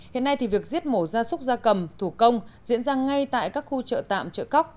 hiện nay thì việc giết mổ gia súc gia cầm thủ công diễn ra ngay tại các khu chợ tạm chợ cóc